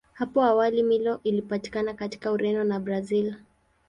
Hapo awali Milo ilipatikana katika Ureno na Brazili.